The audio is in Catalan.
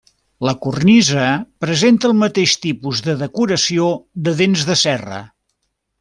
La cornisa presenta el mateix tipus de decoració de dents de serra.